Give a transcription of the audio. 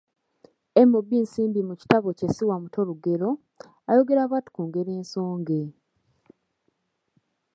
M.B.Nsimbi mu kitabo kye Siwa muto Lugero, ayogera bw’ati ku ngero ensonge,